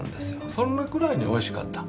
そのくらいにおいしかった。